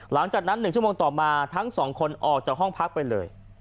หลังจากนั้น๑ชั่วโมงต่อมาทั้งสองคนออกจากห้องพักไปเลย